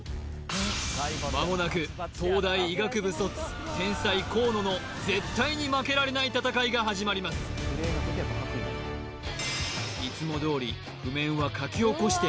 まもなく東大医学部卒天才河野の絶対に負けられない戦いが始まりますいつもどおり